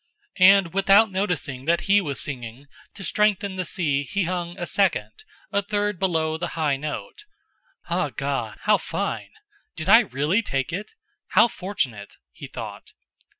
And without noticing that he was singing, to strengthen the si he sung a second, a third below the high note. "Ah, God! How fine! Did I really take it? How fortunate!" he thought.